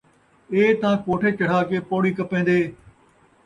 اے تاں کوٹھے چڑھا کے پوڑی کپیندے